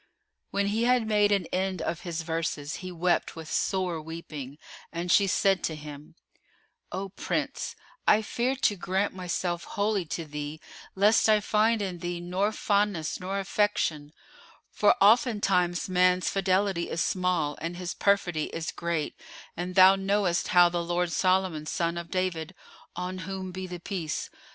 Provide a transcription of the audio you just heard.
When he had made an end of his verses, he wept with sore weeping and she said to him, "O Prince, I fear to grant myself wholly to thee lest I find in thee nor fondness nor affection; for oftentimes man's fidelity is small and his perfidy is great and thou knowest how the lord Solomon, son of David (on whom be the Peace!)